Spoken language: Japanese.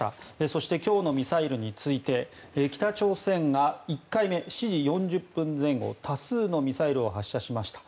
そして今日のミサイルについて北朝鮮が１回目、７時４０分前後多数のミサイルを発射しました。